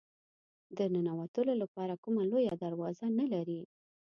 د ننوتلو لپاره کومه لویه دروازه نه لري.